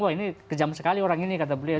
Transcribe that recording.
wah ini kejam sekali orang ini kata beliau